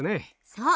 そう。